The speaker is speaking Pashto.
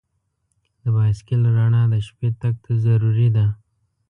د بایسکل رڼا د شپې تګ ته ضروري ده.